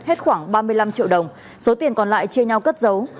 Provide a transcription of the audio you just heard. hết khoảng ba mươi năm triệu đồng số tiền còn lại chia nhau cất dấu